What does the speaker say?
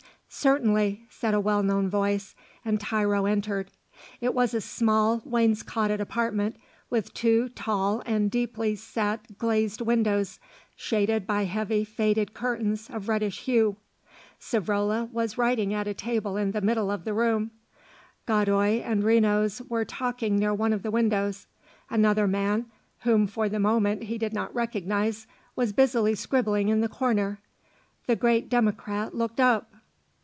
"Certainly," said a well known voice, and Tiro entered. It was a small, wainscotted apartment with two tall and deeply set glazed windows shaded by heavy, faded curtains of reddish hue. Savrola was writing at a table in the middle of the room; Godoy and Renos were talking near one of the windows; another man, whom for the moment he did not recognise, was busily scribbling in the corner. The great Democrat looked up.